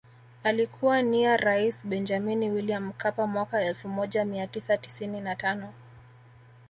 Alikuwa nia rais Benjamini Wiliam Mkapa mwaka elfu moja mia tisa tisini na tano